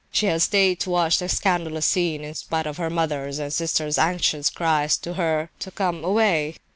She had stayed to watch the scandalous scene in spite of her mother's and sisters' anxious cries to her to come away.